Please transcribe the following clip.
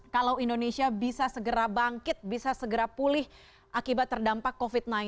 kalau indonesia bisa segera bangkit bisa segera pulih akibat terdampak covid sembilan belas